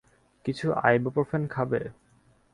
কিছু আইবোপ্রোফেন খাবে?